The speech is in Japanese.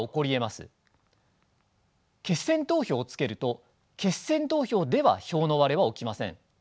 決選投票を付けると決選投票では票の割れは起きません。